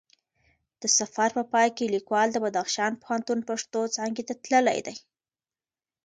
د سفر په پای کې لیکوال د بدخشان پوهنتون پښتو څانګی ته تللی دی